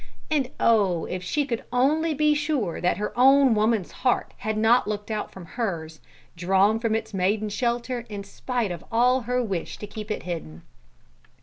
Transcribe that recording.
And oh, if she could only be sure that her own woman's heart had not looked out from hers, drawn from its maiden shelter in spite of all her wish to keep it hidden!